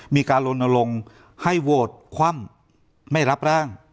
มีการลนลงให้โหวตคว่ำไม่รับร่าง